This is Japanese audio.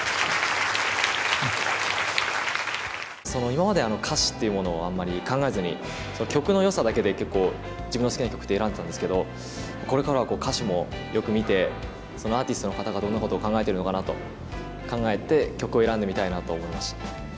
今まで歌詞っていうものをあんまり考えずに曲のよさだけで結構自分の好きな曲って選んでたんですけどこれからは歌詞もよく見てそのアーティストの方がどんなことを考えてるのかなと考えて曲を選んでみたいなと思いました。